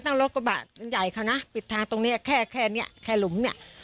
ตั้งรถกระบะใหญ่เขานะปิดทางตรงเนี้ยแค่แค่เนี้ยแค่หลุมเนี้ย